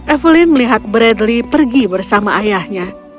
evelyn melihat bradley pergi bersama ayahnya